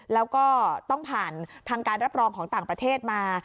แล้วก็ต้องผ่านทางการรับรองของต่างประเทศมา